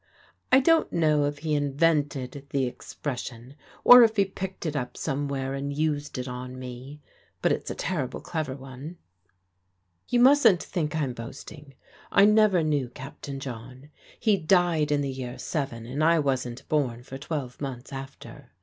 I don't know if he invented the expression, or if he picked it up somewhere and used it on me, but it's a terrible clever one. You mustn't think I'm boasting. I never knew Captain John; he died in the year 'seven, and I wasn't born for twelve months after.